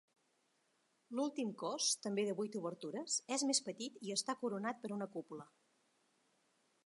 L'últim cos, també de vuit obertures, és més petit i està coronat per una cúpula.